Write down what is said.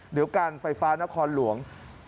หรือการไฟฟ้านครหลวง